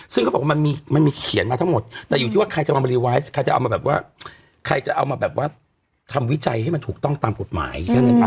ซึ่งเขาบอกว่ามันมีเขียนมาทั้งหมดแต่อยู่ที่ว่าใครจะมารีไวท์ใครจะเอามาแบบว่าใครจะเอามาแบบว่าทำวิจัยให้มันถูกต้องตามกฎหมายแค่นั้นครับ